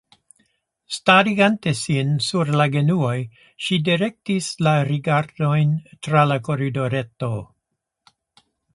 Starigante sin sur la genuoj, ŝi direktis la rigardojn, tra la koridoreto.